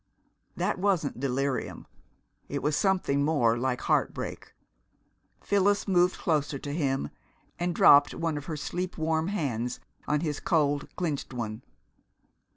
That wasn't delirium; it was something more like heart break. Phyllis moved closer to him, and dropped one of her sleep warm hands on his cold, clenched one.